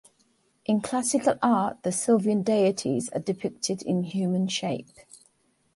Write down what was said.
In classical art the sylvan deities are depicted in human shape.